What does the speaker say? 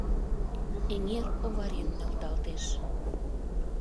Эҥер оварен нӧлталтеш...